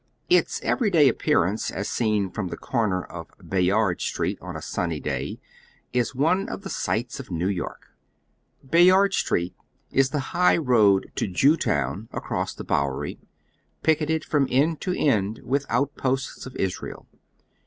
Its everyday appearance, as seen from the coi'iier of Bayard Street on a sunny day, is one of the sights of New York. Bayard Str'eet is the high road to Jewtown across the Bowery, picketed from end to end with the ontposts of Israel.